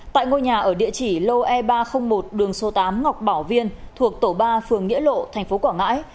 tại ngôi nhà ở địa chỉ lô e ba trăm linh một đường số tám ngọc bảo viên thuộc tổ ba phường nghĩa lộ tp quảng ngãi